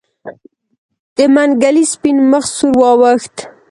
د منګلي سپين مخ سور واوښت.